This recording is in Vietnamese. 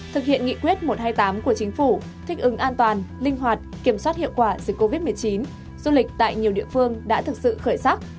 thực hiện nghị quyết một trăm hai mươi tám của chính phủ thích ứng an toàn linh hoạt kiểm soát hiệu quả dịch covid một mươi chín du lịch tại nhiều địa phương đã thực sự khởi sắc